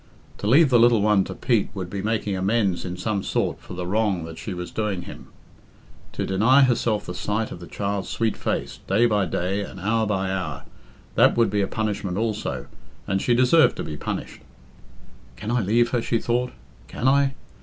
To leave the little one to Pete would be making amends in some sort for the wrong that she was doing him. To deny herself the sight of the child's sweet face day by day and hour by hour that would be a punishment also, and she deserved to be punished. "Can I leave her?" she thought. "Can I?